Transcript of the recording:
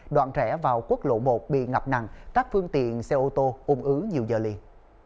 đoạn rẽ vào quốc lộ một bị ngập nặng các phương tiện xe ô tô ung ứ nhiều giờ liền